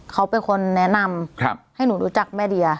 เขาเป็นคนแนะนำให้หนูรู้จักแม่เดีย